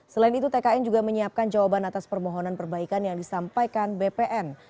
selain itu tkn juga menyiapkan jawaban atas permohonan perbaikan yang disampaikan bpn